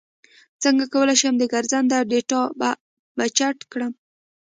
څنګه کولی شم د ګرځنده ډاټا بچت کړم